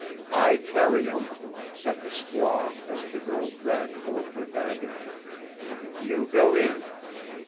"I carry um," said the squaw as the girl dragged forth her baggage. "You go in."